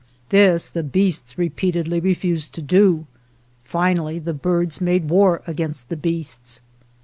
This the beasts repeatedly refused to do. Finally the birds made war against the beasts.